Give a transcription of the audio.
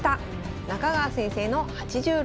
中川先生の８６％